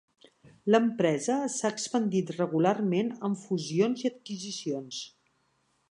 L'empresa s'ha expandit regularment amb fusions i adquisicions.